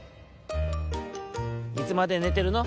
「いつまでねてるの？